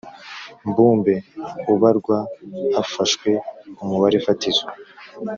mbumbe Ubarwa hafashwe umubare fatizo